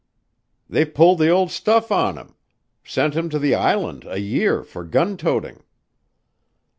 "They pulled the old stuff on him. Sent him to the Island a year for gun toting."